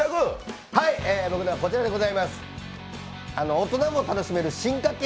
大人も楽しめる進化系